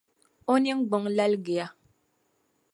O ningbung laligiya.